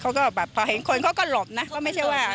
เขาก็แบบพอเห็นคนเขาก็หลบนะก็ไม่ใช่ว่า